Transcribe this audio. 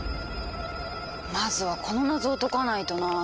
まずはこの謎を解かないとなぁ。